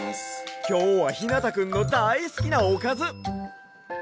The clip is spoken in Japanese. きょうはひなたくんのだいすきなおかず。